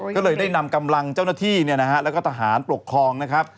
ก็เลยได้นำกำลังเจ้าหน้าที่เนี่ยนะฮะแล้วก็ทหารปกครองนะครับ